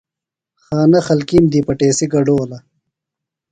خانہ خلکیم دی پٹیسی گڈولہ۔